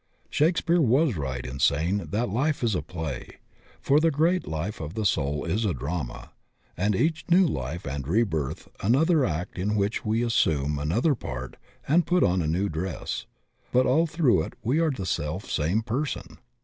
Shakespeare was right in saying that life is a play, for the great life of the soul is a drama, and each new life and rebirth another act in which we assume an other part and put on a new dress, but all through it we are the self same person.